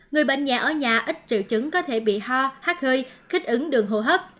người bệnh nhà ở nhà ít triệu chứng có thể bị ho hát hơi kích ứng đường hô hấp